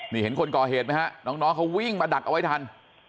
นี่เห็นคนก่อเหตุไหมฮะน้องเขาวิ่งมาดักเอาไว้ทัน